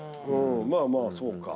まあまあそうか。